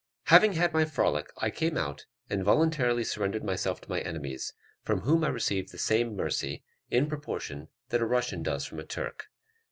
Having had my frolic, I came out, and voluntarily surrendered myself to my enemies, from whom I received the same mercy, in proportion, that a Russian does from a Turk.